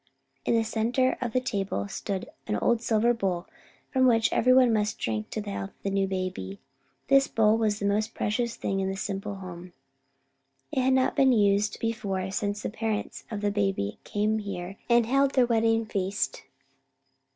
In the centre of the table stood the old silver bowl from which every one must drink to the health of the new baby. This bowl was the most precious thing in the simple home. It had not been used before since the parents of the baby came here and held their wedding feast.